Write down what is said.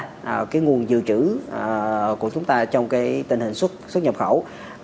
cái nguồn dự trữ của chúng ta trong cái tình hình xuất xuất nhập khẩu